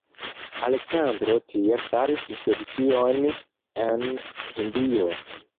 Aleksandro tiele faris ekspedicion en Hindion.